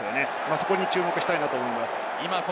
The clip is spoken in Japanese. そこに注目したいと思います。